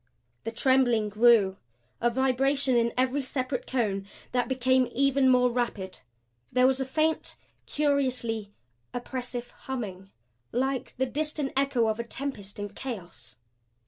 The trembling grew; a vibration in every separate cone that became even more rapid. There was a faint, curiously oppressive humming like the distant echo of a tempest in chaos.